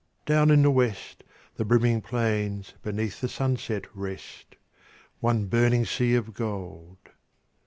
Down in the west The brimming plains beneath the sunset rest, One burning sea of gold.